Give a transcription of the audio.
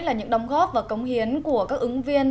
là những đóng góp và cống hiến của các ứng viên